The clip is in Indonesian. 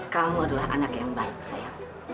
kamu adalah anak yang baik saya